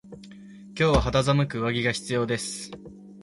今日は肌寒く上着が必要です。